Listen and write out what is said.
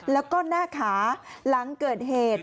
แล้วก็หน้าขาหลังเกิดเหตุ